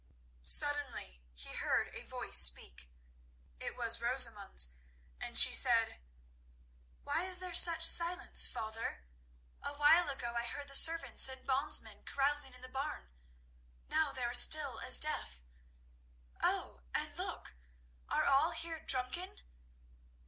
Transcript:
Suddenly he heard a voice speak. It was Rosamund's; and she said: "Why is there such silence, father? A while ago I heard the servants and bondsmen carousing in the barn; now they are still as death. Oh, and look! Are all here drunken?